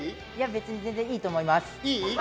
別に全然いいと思います。